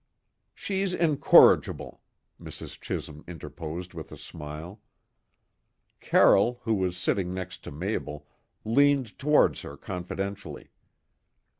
"She's incorrigible," Mrs. Chisholm interposed with a smile. Carroll, who was sitting next to Mabel, leaned towards her confidentially.